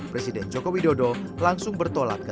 presiden joko widodo langsung bertolak ke